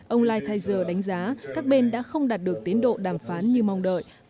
ông lighthizer đánh giá các bên đã không đạt được tiến độ đàm phán như mong đợi